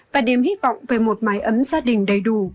và niềm hy vọng về một mái ấm gia đình đầy đủ